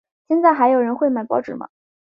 现在还有人会买报纸吗？